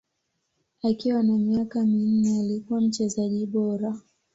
Akiwa na miaka minne alikuwa mchezaji bora